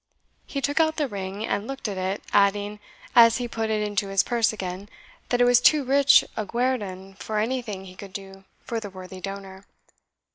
He took out the ring, and looked at it, adding, as he put it into his purse again, that it was too rich a guerdon for anything he could do for the worthy donor.